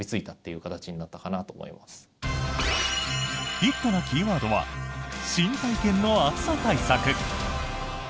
ヒットなキーワードは新体験の暑さ対策。